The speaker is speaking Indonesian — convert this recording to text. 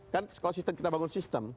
kan kalau sistem kita bangun sistem